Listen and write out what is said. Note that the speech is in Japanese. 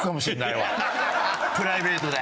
プライベートで。